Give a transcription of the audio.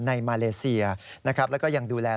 มาเลเซียนะครับแล้วก็ยังดูแล